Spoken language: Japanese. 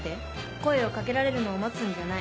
声を掛けられるのを待つんじゃない。